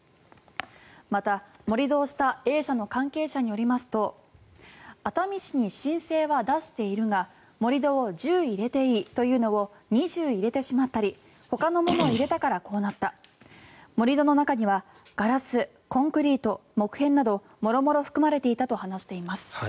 また、盛り土をしたＡ社の関係者によりますと熱海市に申請は出しているが盛り土を１０入れていいというのを２０入れてしまったりほかのものを入れたからこうなった盛り土の中にはガラス、コンクリート、木片など諸々含まれていたと話しています。